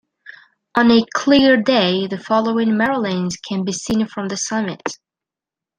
On a clear day, the following Marilyns can be seen from the summit.